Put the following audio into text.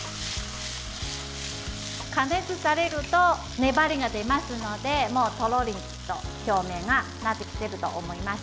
加熱されると粘りが出ますのでとろりと表面がなってきていると思います。